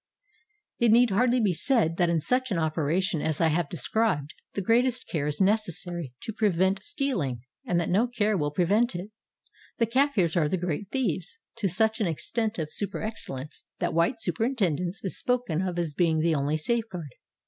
It need hardly be said that in such an operation as I have described the greatest care is necessary to prevent stealing, and that no care will prevent it. The Kafirs are the great thieves, — to such an extent of superexcel lence that white superintendence is spoken of as being 454 THE DIAMOND FIELDS OF SOUTH AFRICA the only safeguard.